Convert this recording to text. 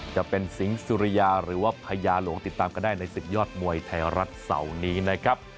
จะเป็นสิงห์สุริยาหรือว่าพญาหลวงติดตามกันได้ในศึกยอดมวยไทยรัฐเสาร์นี้นะครับ